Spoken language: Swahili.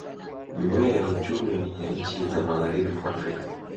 Jumuiya ya Uchumi ya Nchi za Magharibi mwa Afrika